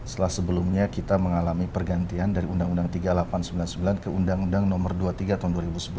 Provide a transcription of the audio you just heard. setelah sebelumnya kita mengalami pergantian dari undang undang tiga ribu delapan ratus sembilan puluh sembilan ke undang undang nomor dua puluh tiga tahun dua ribu sebelas